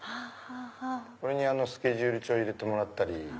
これにスケジュール帳入れたり。